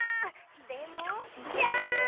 でもジャン！